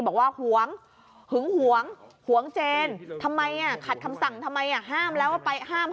บอกว่าหวงหึงหวงเหวงเจนทำไมขัดทำสั่งทำไม